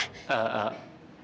eh eh kamila